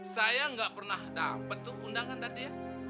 saya tidak pernah dapat undangan tati